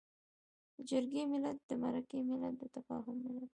د جرګې ملت، د مرکې ملت، د تفاهم ملت.